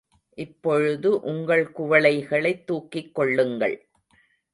இப்பொழுது உங்கள் குவளைகளைத் தூக்கிக்கொள்ளுங்கள்.